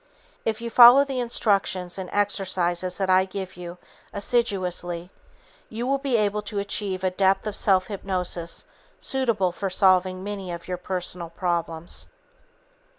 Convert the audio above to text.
If you follow the instructions and exercises that I give you assiduously, you should be able to achieve a depth of self hypnosis suitable for solving many of your personal problems.